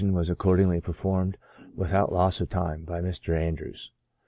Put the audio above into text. was accordingly performed, without loss of time, by Mr. Andrews.